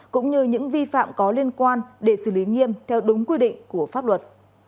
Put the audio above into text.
cũng như những vi phạm có liên quan để xử lý nghiêm theo đúng quy định của pháp luật